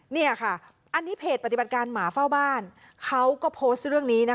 นี่ค่ะอันนี้เพจปฏิบัติการหมาเฝ้าบ้านเขาก็โพสต์เรื่องนี้นะคะ